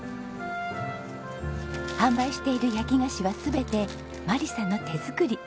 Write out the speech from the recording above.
販売している焼き菓子は全て眞理さんの手作り。